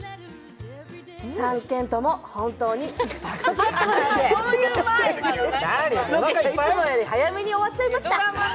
３軒とも本当にロケがいつもより早めに終わっちゃいました。